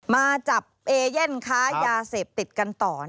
มาจับเอเย่นค้ายาเสพติดกันต่อ